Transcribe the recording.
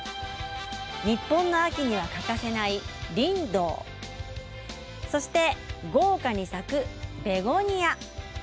日本の秋には欠かせないリンドウそして、豪華に咲くベゴニア。